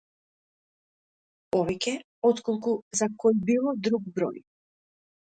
Повеќе отколку за кој било друг број.